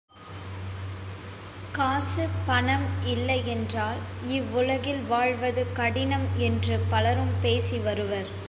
காசு பணம் இல்லையென்றால் இவ்வுலகில் வாழ்வது கடினம் என்று பலரும் பேசி வருவர்.